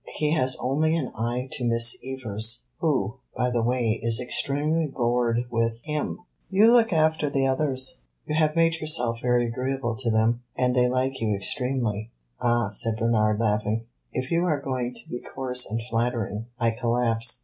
He has only an eye to Miss Evers, who, by the way, is extremely bored with him. You look after the others. You have made yourself very agreeable to them, and they like you extremely." "Ah," said Bernard, laughing, "if you are going to be coarse and flattering, I collapse.